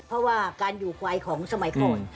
เพราะว่าการอยู่ไกลของสมัยก่อน